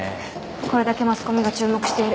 これだけマスコミが注目している。